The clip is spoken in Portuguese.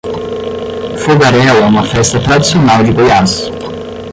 Fogaréu é uma festa tradicional de Goiás